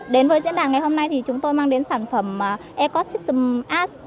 đến với diễn đàn ngày hôm nay thì chúng tôi mang đến sản phẩm ecosystem arts